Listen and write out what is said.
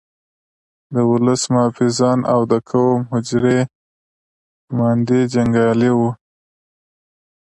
د ولس محافظان او د قوم د حجرې قوماندې جنګیالي وو.